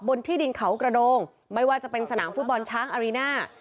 ที่ดินเขากระโดงไม่ว่าจะเป็นสนามฟุตบอลช้างอารีน่า